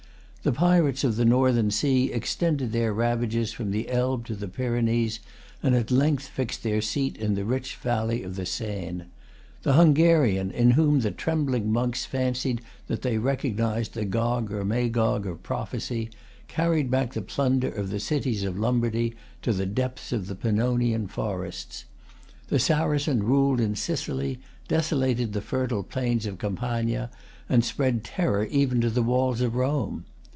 The pirates of the Northern Sea extended their ravages from the Elbe to the Pyrenees, and at length fixed their seat in the rich valley of the Seine. The Hungarian, in whom the trembling monks fancied that they recognised the Gog or Magog of prophecy, carried back the plunder of the cities of Lombardy to the depths of the Pannonian forests. The Saracen ruled in Sicily, desolated the fertile plains of Campania, and spread terror even to the walls of Rome.